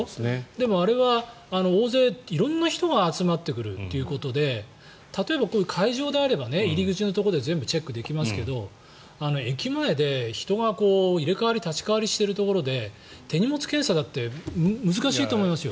でもあれは、大勢、色んな人が集まってくるということで例えばこういう会場であれば入り口のところで全部チェックできますけれど駅前で人が入れ代わり立ち代わりしているところで手荷物検査だって難しいと思いますよ。